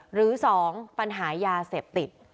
หรือ๒ปัญหายาเสพติด